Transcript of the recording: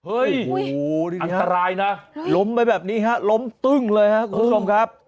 อุ้ยอุ้ยอันตรายนะล้มไปแบบนี้ฮะล้มตึงเลยฮะคุณผู้ชมครับ